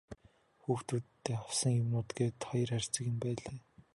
Хүүхдүүддээ авсан юмнууд гээд хоёр хайрцаг юм байнлээ.